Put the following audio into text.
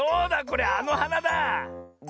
これあのはなだあ。